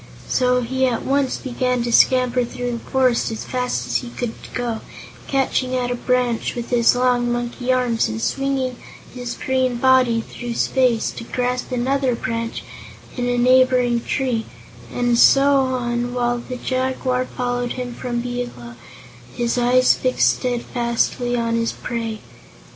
So he at once began to scamper through the forest as fast as he could go, catching at a branch with his long monkey arms and swinging his green body through space to grasp another branch in a neighboring tree, and so on, while the Jaguar followed him from below, his eyes fixed steadfastly on his prey.